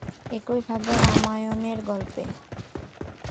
একইভাবে, রামায়ণের গল্পে।